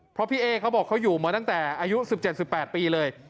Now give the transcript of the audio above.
เพราะพี่เอ๊เขาบอกเขาอยู่มาตั้งแต่อายุ๑๗๑๘ปีเลย